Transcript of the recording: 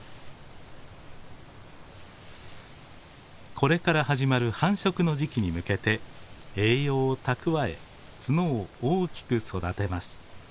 これから始まる繁殖の時期に向けて栄養を蓄え角を大きく育てます。